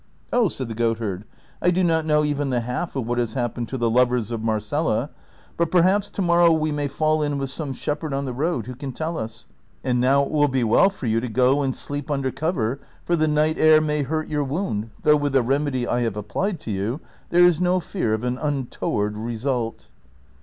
^' Oh," said the goatherd, '• I do not know even the half of what has happened to the lovers of Marcela, but perhaps to morrow we may fall in with some shepherd on the roacl who can tell us ; and now it will be well for you to go and sleep under cover, for the night air may hurt your wound, though with the remedy I have applied to you there is no fear of an untoAvard result."